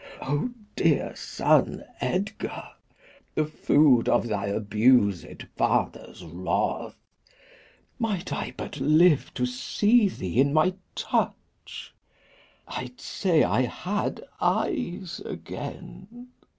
Ah dear son Edgar, The food of thy abused father's wrath! Might I but live to see thee in my touch, I'ld say I had eyes again!